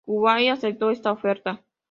Kuwait aceptó esta oferta.